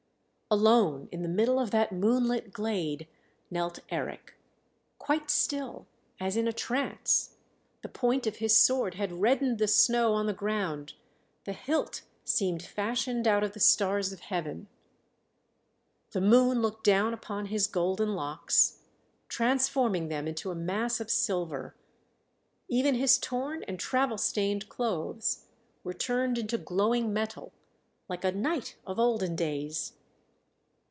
Alone in the middle of that moonlit glade knelt Eric, quite still, as in a trance; the point of his sword had reddened the snow on the ground; the hilt seemed fashioned out of the stars of heaven. The moon looked down upon his golden locks, transforming them into a mass of silver; even his torn and travel stained clothes were turned into glowing metal like a knight of olden days.